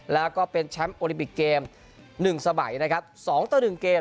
แล้วก็เป็นแชมป์โอลิมปิกเกมหนึ่งสมัยนะครับสองต่อหนึ่งเกม